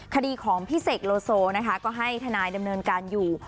คดีของพี่เสกโลโซนะคะก็ให้ทนายดำเนินการอยู่